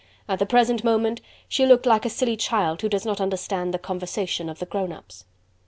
At the present moment she looked like a silly child who does not understand the conversation of the "grown ups."